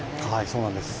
そうなんです。